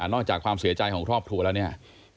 อกจากความเสียใจของครอบครัวแล้วเนี่ย